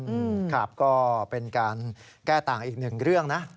ครับก็เป็นการแก้ต่างอีกหนึ่งเรื่องนะ